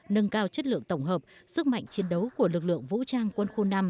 nâng cao chất lượng tổng hợp sức mạnh chiến đấu của lực lượng vũ trang quân khu năm